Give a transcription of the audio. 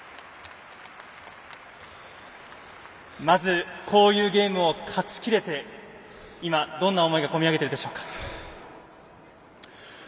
まず、こういうゲームを勝ちきれて今、どんな思いが込み上げているでしょうか。